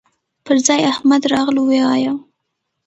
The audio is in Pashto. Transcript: پر ځاى احمد راغلهووايو